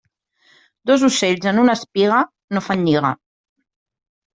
Dos ocells en una espiga no fan lliga.